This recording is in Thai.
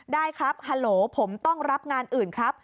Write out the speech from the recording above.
ได้ครับฮัลโหลผมต้องรับงานอื่นครับ